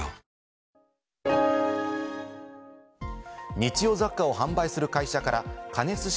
日用雑貨を販売する会社から加熱式